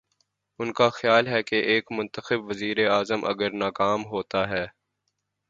ان کا خیال ہے کہ ایک منتخب وزیراعظم اگر ناکام ہو تا ہے۔